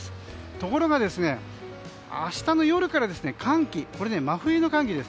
ところが、明日の夜から寒気真冬の寒気です。